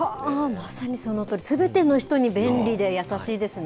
まさにそのとおり、すべての人に便利で優しいですね。